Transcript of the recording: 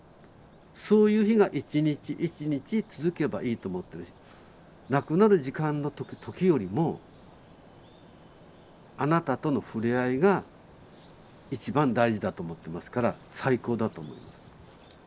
そういう日が一日一日続けばいいと思ってるし亡くなる時間の時よりもあなたとのふれあいが一番大事だと思ってますから最高だと思います。